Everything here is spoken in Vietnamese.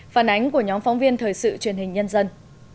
phản ánh của nhóm phóng viên thời sự truyền hình nhân dân